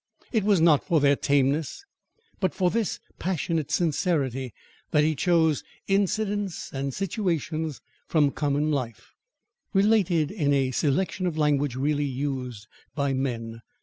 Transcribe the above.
It was not for their tameness, but for this passionate sincerity, that he chose incidents and situations from common life, "related in a selection of language really used by men."